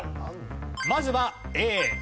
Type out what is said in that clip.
まずはＡ。